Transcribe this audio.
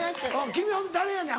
君は誰やねん？